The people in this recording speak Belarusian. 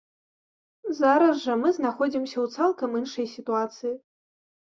Зараз жа мы знаходзімся ў цалкам іншай сітуацыі.